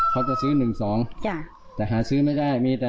เขาจะซื้อ๑๒จ้ะแต่หาซื้อไม่ได้มีแต่